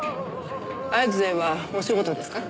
会津へはお仕事ですか？